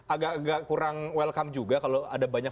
agak agak kurang welcome juga kalau ada banyak